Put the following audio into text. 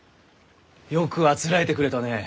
よくあつらえてくれたね！